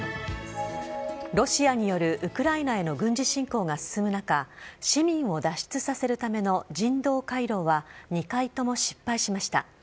ロシアによるウクライナへの軍事侵攻が進む中、市民を脱出させるための人道回廊は２回とも失敗しました。